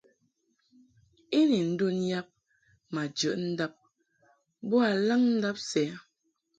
I ni ndun yab ma jəʼ ndab boa laŋndab sɛ.